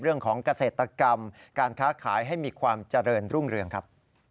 เรื่องของเกษตรกรรมการค้าขายให้มีความเจริญรุ่งเรืองครับ